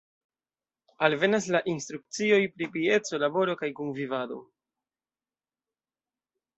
Alvenas la instrukcioj pri pieco, laboro kaj kunvivado.